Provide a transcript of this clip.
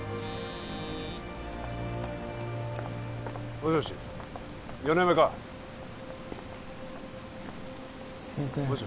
もしもし